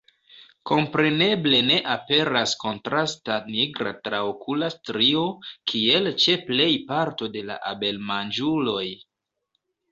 Kompreneble ne aperas kontrasta nigra traokula strio, kiel ĉe plej parto de abelmanĝuloj.